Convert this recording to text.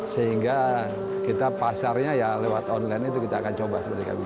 sehingga pasarnya lewat online kita akan coba